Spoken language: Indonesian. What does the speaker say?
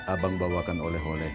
abang bawakan oleh oleh